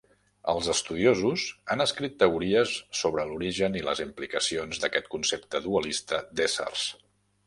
Els estudiosos han escrit teories sobre l'origen i les implicacions d'aquest concepte dualista d'éssers.